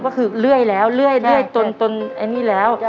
ก็คือเรื่อยแล้วเรื่อยจนอันนี้แล้ว